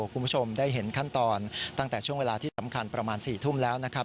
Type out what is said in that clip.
คุณผู้ชมได้เห็นขั้นตอนตั้งแต่ช่วงเวลาที่สำคัญประมาณ๔ทุ่มแล้วนะครับ